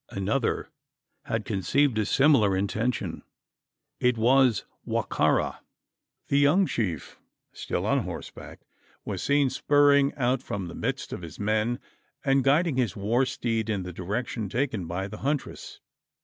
Another had conceived a similar intention. It was Wa ka ra. The young chief, still on horseback, was seen spurring out from the midst of his men, and guiding his war steed in the direction taken by the huntress.